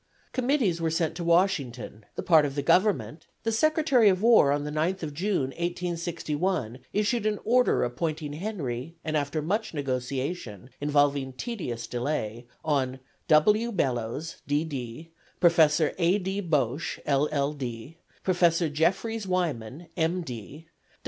Committees were sent to Washington, the part of the Government, the Secretary of War, on the 9th of June, 1861, issued an order appointing Henry and after much negotiation, involving tedious delay on W. Bellows, D. D., Professor A. D. Boche, LL. D., Professor Jeffries Wyman, M.